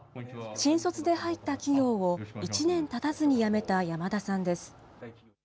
新卒で入った企業を１年たたずに辞めた山田さんです。